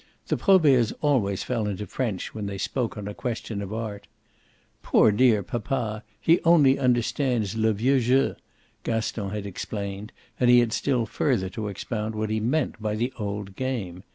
The Proberts always fell into French when they spoke on a question of art. "Poor dear papa, he only understands le vieux jeu!" Gaston had explained, and he had still further to expound what he meant by the old game.